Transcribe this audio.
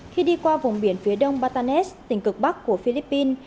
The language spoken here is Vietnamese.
khi đi qua vùng biển phía đông bartanet tỉnh cực bắc của philippines